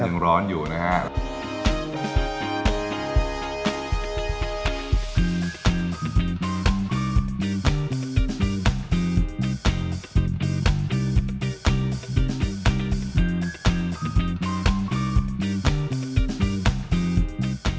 ยังร้อนอยู่นะครับ